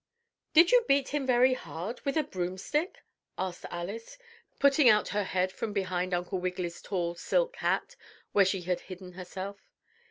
"Did you beat him very hard, with a broomstick?" asked Alice, putting out her head from behind Uncle Wiggily's tall silk hat where she had hidden herself.